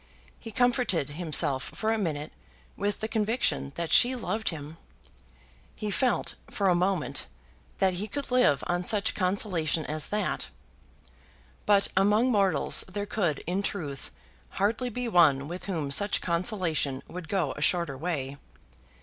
He comforted himself for a minute with the conviction that she loved him. He felt, for a moment, that he could live on such consolation as that! But among mortals there could, in truth, hardly be one with whom such consolation would go a shorter way.